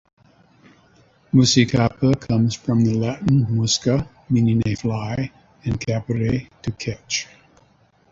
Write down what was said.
Muscicapa comes from the Latin "musca" meaning a fly and "capere" to catch.